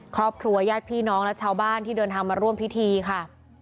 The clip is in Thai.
ครอบครัวญาติพี่น้องและชาวบ้านที่เดินทางมาร่วมพิธีค่ะ